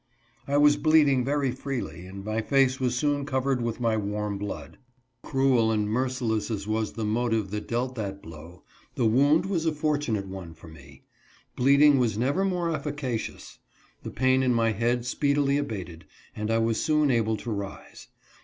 I was bleeding very freely, and my face was soon covered with my warm blood. Cruel and merciless as was the motive that dealt that blow, the wound was a fortu nate one for me. Bleeding was never more efficacious. The pain in my head speedily abated, and I was soon able to rise.